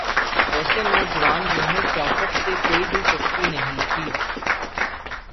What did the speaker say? ایسے نوجوان جنہیں سیاست سے کوئی دلچسپی نہیں تھی۔